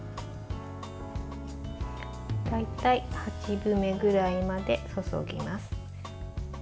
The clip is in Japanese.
大体８分目ぐらいまで注ぎます。